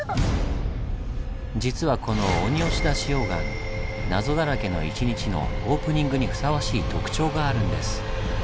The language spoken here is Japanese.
実はこの鬼押出溶岩謎だらけの１日のオープニングにふさわしい特徴があるんです。